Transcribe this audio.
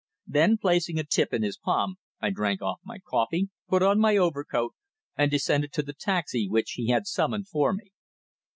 Then, placing a tip in his palm, I drank off my coffee, put on my overcoat, and descended to the taxi which he had summoned for me.